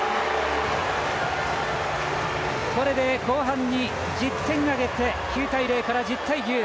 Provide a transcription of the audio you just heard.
これで、後半に１０点挙げて９対０から１０対９。